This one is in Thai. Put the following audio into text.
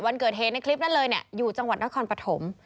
วันเกิดเหตุในคลิปนั้นเลยเนี่ยอยู่จังหวัดนครปฐม